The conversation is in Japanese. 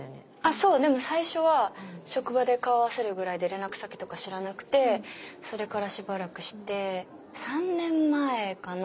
そうでも最初は職場で顔合わせるぐらいで連絡先とか知らなくてそれからしばらくして３年前かな？